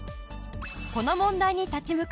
この問題に立ち向かう